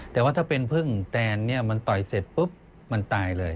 แต่ว่าถ้าเป็นพึ่งแตนเนี่ยมันต่อยเสร็จปุ๊บมันตายเลย